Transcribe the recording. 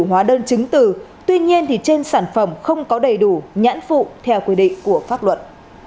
hóa đơn chứng từ tuy nhiên trên sản phẩm không có đầy đủ nhãn phụ theo quy định của pháp luật